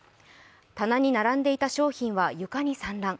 棚に並んでいた商品は床に散乱。